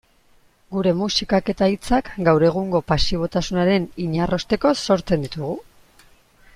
Gure musikak eta hitzak gaur egungo pasibotasunaren inarrosteko sortzen ditugu.